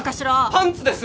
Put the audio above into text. パンツです！